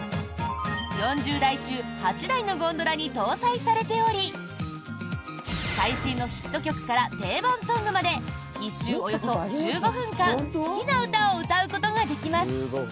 ４０台中８台のゴンドラに搭載されており最新のヒット曲から定番ソングまで１周およそ１５分間好きな歌を歌うことができます。